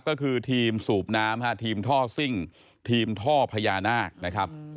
ก็คือทีมสูบน้ำทีมท่อซิ่งทีมท่อพญานาคนะครับ